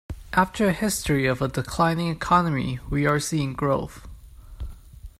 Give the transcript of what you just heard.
After a history of a declining economy we are seeing growth.